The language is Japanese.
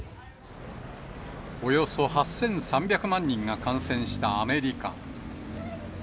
およそ８３００万人が感染したアメリカ。